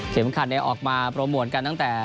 เข็มขัดเนี่ยออกมาโปรโมนกันตั้งแต่